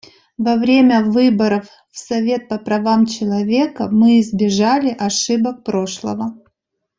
Во время выборов в Совет по правам человека мы избежали ошибок прошлого.